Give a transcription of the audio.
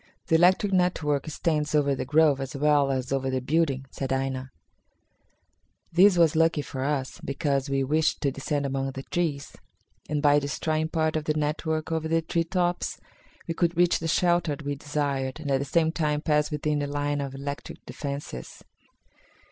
"The electric network extends over the grove as well as over the building," said Aina. This was lucky for us, because we wished to descend among the trees, and, by destroying part of the network over the tree tops, we could reach the shelter we desired and at the same time pass within the line of electric defences.